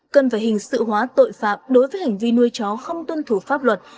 cần phải hình sự hóa tội phạm đối với hành vi nuôi chó không tuân thủ pháp luật